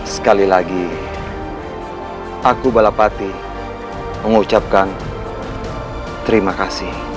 sekali lagi aku balapati mengucapkan terima kasih